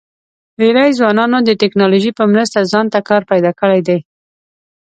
ډېری ځوانانو د ټیکنالوژۍ په مرسته ځان ته کار پیدا کړی دی.